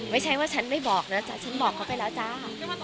ไม่ใช่ว่าฉันด้านไหนฉันบอกเค้าไปแล้วจ้า